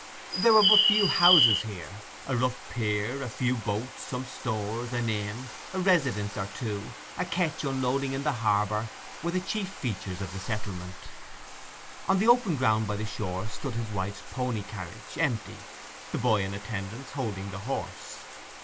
There were but few houses here: a rough pier, a few boats, some stores, an inn, a residence or two, a ketch unloading in the harbour, were the chief features of the settlement. On the open ground by the shore stood his wife's pony carriage, empty, the boy in attendance holding the horse.